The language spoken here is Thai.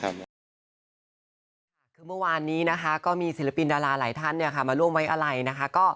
คือเมื่อวานนี้นะคะก็มีศิลปินดาราหลายท่านมาร่วมไว้อะไรนะคะ